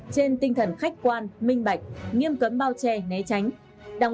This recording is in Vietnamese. trên tinh thần khách quan minh bạch nghiêm cấm bao che né tránh